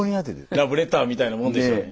ラブレターみたいなもんでしょうね。